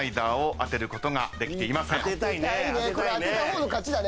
当てたいね。